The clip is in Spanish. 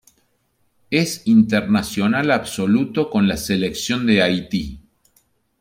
Es internacional absoluto con la selección de Haití.